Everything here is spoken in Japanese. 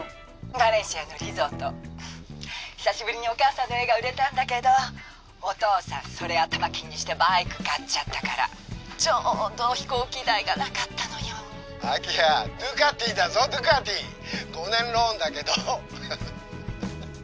バレンシアのリゾート久しぶりにお母さんの絵が売れたんだけどお父さんそれ頭金にしてバイク買っちゃったからちょうど飛行機代がなかったのよ明葉ドゥカティだぞドゥカティ５年ローンだけどハハッ